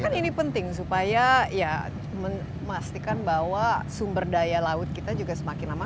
tapi kan ini penting supaya ya memastikan bahwa sumber daya laut kita juga semakin lama